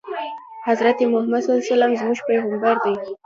حضرت محمد ص زموږ پیغمبر دی